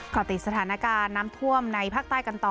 ติดสถานการณ์น้ำท่วมในภาคใต้กันต่อ